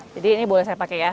ini boleh saya pakai ya